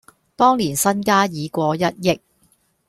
當年身家已過一憶